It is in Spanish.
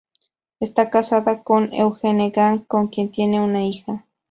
Está casada con Eugene Jang con quien tiene una hija.